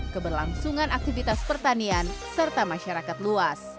keberlangsungan aktivitas pertanian serta masyarakat luas